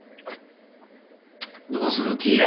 どうする気や。